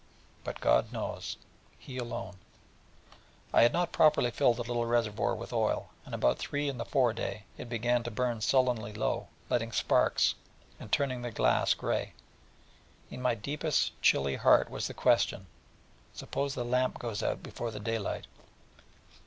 But God knows, He alone.... I had not properly filled the little reservoir with oil, and at about three in the fore day, it began to burn sullenly lower, letting sparks, and turning the glass grey: and in my deepest chilly heart was the question: 'Suppose the lamp goes out before the daylight....'